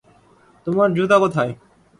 তোমার জুতা কোথায়?